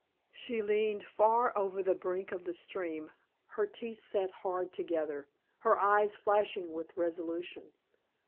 She leaned far over the brink of the stream, her teeth set hard together, her eyes flashing with resolution.